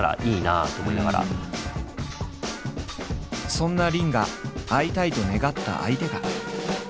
そんな林が会いたいと願った相手が。